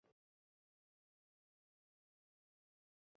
vazifalar bajarilishini ta’minlash;